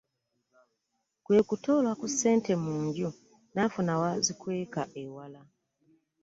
Kwe kutoola ku ssente mu nju n'afuna w'azikweka ewala.